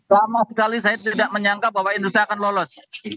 lama sekali saya tidak menyangka bahwa indonesia akan lolos